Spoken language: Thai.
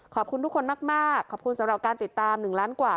ขอบคุณทุกคนมากขอบคุณสำหรับการติดตาม๑ล้านกว่า